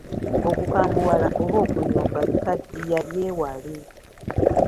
Okukambuwala oba okuyomba bikaddiya byewale.